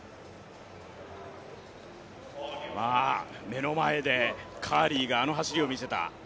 目の前でカーリーがあの走りを見せた。